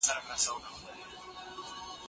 خلګ به نور په ناحقه مال نه خوري.